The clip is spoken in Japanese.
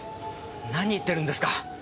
何言ってるんですか。